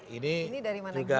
ini dari mana